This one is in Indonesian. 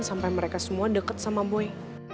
sampai mereka semua deket sama boy